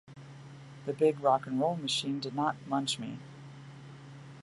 The big rock 'n' roll machine did not munch me.